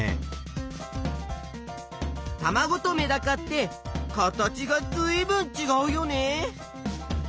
たまごとメダカって形がずいぶんちがうよね。